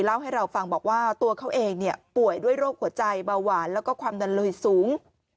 เล่าให้เราฟังบอกว่าตัวเขาเองป่วยด้วยโรคหัวใจเบาหวานแล้วก็ความดันลุยสูง